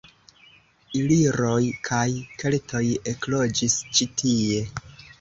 Iliroj kaj keltoj ekloĝis ĉi tie.